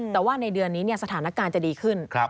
แต่ว่าในเดือนนี้สถานการณ์จะดีขึ้น